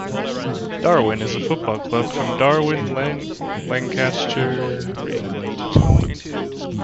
Darwen is a football club from Darwen, Lancashire, England.